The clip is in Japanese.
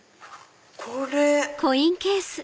これ。